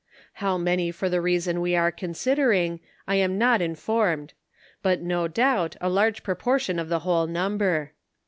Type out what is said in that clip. How many for the reason we are considering, I am not inform ed, but no doubt a large proportion of the whole number.